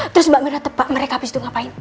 terus mbak mir ngetepak mereka abis itu ngapain